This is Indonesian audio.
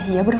iya bu dr